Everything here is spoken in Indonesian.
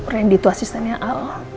randy itu asistennya al